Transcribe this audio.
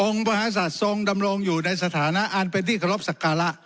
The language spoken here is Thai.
องค์มหาศัตริย์ทรงดำรงอยู่ในสถานะอันเป็นที่กระลบศักราะ